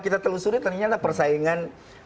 kita telusuri ternyata persaingan